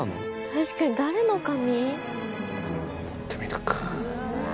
確かに誰の髪？